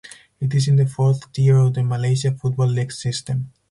It is in the fourth tier of the Malaysia football league system.